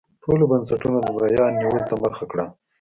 ټولو بنسټونو د مریانو نیولو ته مخه کړه.